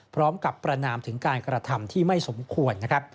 พร้อมกับประนามถึงการกระทำที่ไม่สมควร